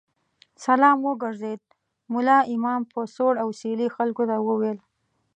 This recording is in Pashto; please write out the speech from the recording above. سلام وګرځېد، ملا امام په سوړ اسوېلي خلکو ته وویل.